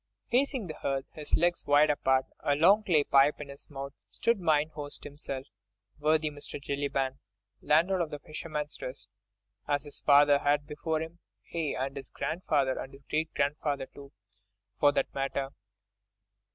Facing the hearth, his legs wide apart, a long clay pipe in his mouth, stood mine host himself, worthy Mr. Jellyband, landlord of "The Fisherman's Rest," as his father had been before him, aye, and his grandfather and great grandfather too, for that matter.